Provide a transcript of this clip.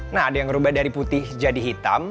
nah ada yang berubah dari putih jadi hitam